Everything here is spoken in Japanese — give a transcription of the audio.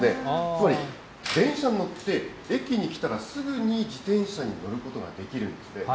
つまり、電車に乗って駅に来たらすぐに自転車に乗ることができるんですね。